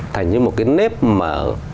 thành như một cái nếp mà